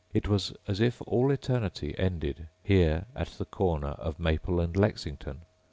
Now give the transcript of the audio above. It was as if all eternity ended here at the corner of Maple and Lexington.